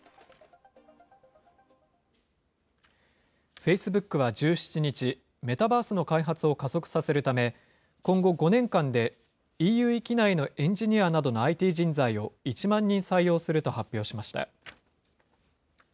フェイスブックは１７日、メタバースの開発を加速させるため、今後５年間でＥＵ域内のエンジニアなどのＩＴ人材を１万人採用すると発表しました。